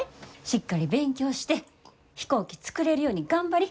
しっかり勉強して飛行機作れるように頑張り。